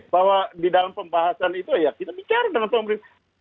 bahwa di dalam pembahasan itu ya kita bicara dengan pemerintah